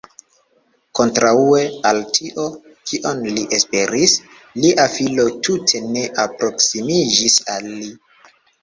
Kontraŭe al tio, kion li esperis, lia filo tute ne alproksimiĝis al li.